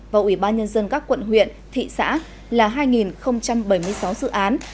và ubnd các quận huyện thị xã là hai bảy mươi sáu dự án